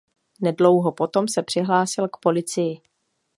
Nedlouho potom se přihlásil k policii.